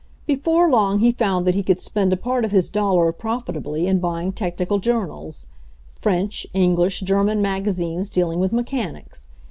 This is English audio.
Before long he found that he could spend a part of his dollar profitably in buying technical journals — French, English, German magazines dealing with mechanics.